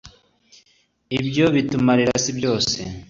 ibyo bitumarira si byose